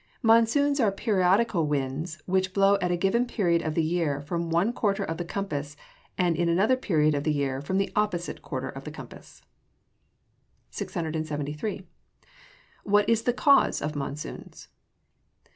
_ Monsoons are periodical winds which blow at a given period of the year from one quarter of the compass, and in another period of the year from the opposite quarter of the compass. 673. _What is the cause of monsoons?